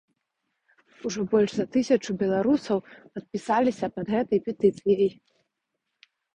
Ужо больш за тысячу беларусаў падпісаліся пад гэтай петыцыяй.